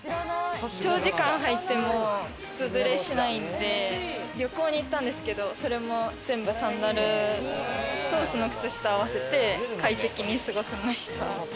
長時間履いても靴擦れしないんで、旅行に行ったんですけど、それも全部サンダルと、その靴下を合わせて快適に過ごせました。